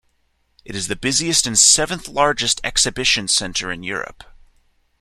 It is the busiest and seventh-largest exhibition centre in Europe.